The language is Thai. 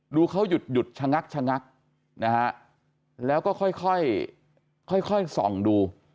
ดูเขาหยุดชะงักนะฮะแล้วก็ค่อยส่องดู